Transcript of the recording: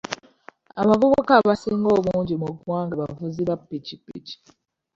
Abavubuka abasinga obungi mu ggwanga bavuzi ba pikipiki.